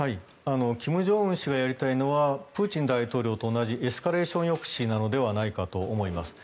金正恩氏がやりたいのはプーチン大統領と同じエスカレーション抑止なのではないかと思います。